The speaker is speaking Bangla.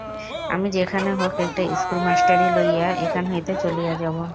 আমি যেখানে হোক একটা ইস্কুল-মাস্টারি লইয়া এখান হইতে চলিয়া যাইব।